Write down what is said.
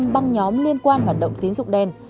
hai trăm linh băng nhóm liên quan hoạt động tín dụng đen